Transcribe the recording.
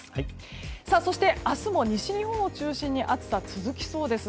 そして、明日も西日本を中心に暑さが続きそうです。